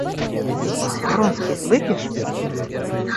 Вронский, выпьешь?